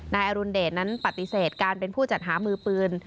นายอรุณเดชนั้นปฏิเสธการเป็นผู้จัดหามือปืน